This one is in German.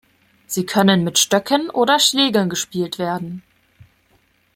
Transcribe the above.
Sie können mit Stöcken oder Schlägeln gespielt werden.